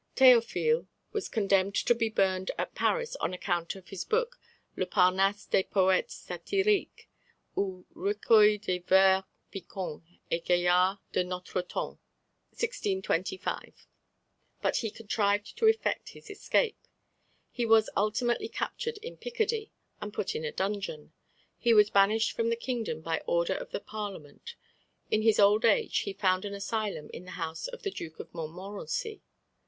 Théophile was condemned to be burned at Paris on account of his book Le Parnasse des Poètes Satyriques, ou Recueil de vers piquans et gaillards de notre temps (1625, in 8), but he contrived to effect his escape. He was ultimately captured in Picardy, and put in a dungeon. He was banished from the kingdom by order of the Parliament. In his old age he found an asylum in the house of the Duke of Montmorency.